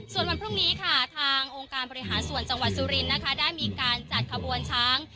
ส่วนวันพรุ่งนี้ค่ะทางองค์การบริหารส่วนจังหวัดสุรินทร์นะคะได้มีการจัดขบวนช้าง